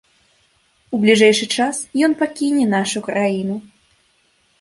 У бліжэйшы час ён пакіне нашу краіну.